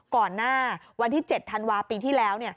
ก่อนหน้าวันที่๗ธันวาปีที่แล้ว